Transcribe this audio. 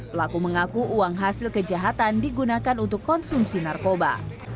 pelaku mengaku uang hasil kejahatan digunakan untuk konsumsi narkoba